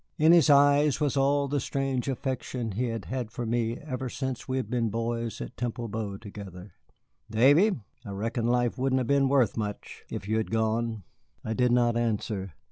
In his eyes was all the strange affection he had had for me ever since we had been boys at Temple Bow together. "Davy, I reckon life wouldn't have been worth much if you'd gone." I did not answer.